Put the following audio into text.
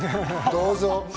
どうぞ。